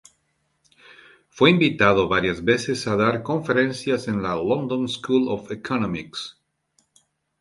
Fue invitado varias veces a dar conferencias en la London School of Economics.